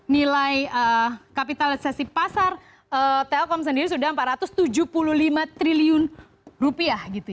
nilai kapitalisasi pasar telkom sendiri sudah empat ratus tujuh puluh lima triliun rupiah